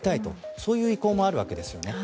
そういう意向もあるわけですね。